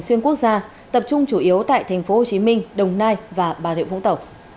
xuyên quốc gia tập trung chủ yếu tại tp hcm đồng nai và bà rịa vũng tàu